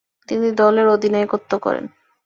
তিনি দলের অধিনায়কত্ব করেন।